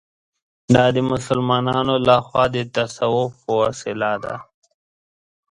دا د مسلمانانو له خوا د تصوف په وسیله ده.